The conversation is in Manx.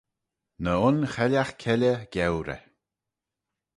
Ny un chellagh-keylley geurey